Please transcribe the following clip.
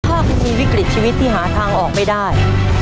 ถ้าคุณมีวิกฤตชีวิตที่หาทางออกไม่ได้